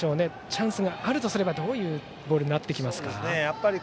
チャンスがあるとすればどういうボールですか。